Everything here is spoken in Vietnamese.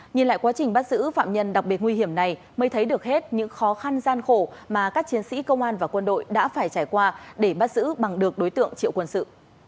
nhìn lại quá trình bắt giữ phạm nhân đặc biệt nguy hiểm này mới thấy được hết những khó khăn gian khổ mà các chiến sĩ công an và quân đội đã phải trải qua để bắt giữ bằng được đối tượng triệu quân sự